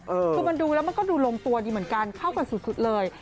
คือมันดูแล้วมันก็ดูลงตัวดีเหมือนกันเข้ากันสุดเลย